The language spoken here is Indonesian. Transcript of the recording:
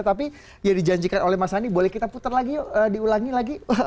tapi ya dijanjikan oleh mas andi boleh kita putar lagi yuk diulangi lagi